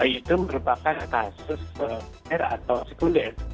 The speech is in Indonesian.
itu merupakan kasus sekunder